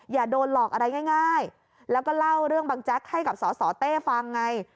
อย่าโดนหลอกอะไรง่ายแล้วก็เล่าเรื่องบังแจ๊กให้กับสสเต้ฟังไง